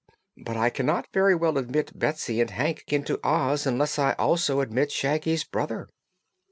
But I cannot very well admit Betsy and Hank into Oz unless I also admit Shaggy's brother."